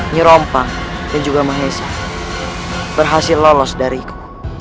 nyerompang dan juga mahesa berhasil lolos dariku